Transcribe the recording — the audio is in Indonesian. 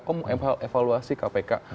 oh mau evaluasi kpk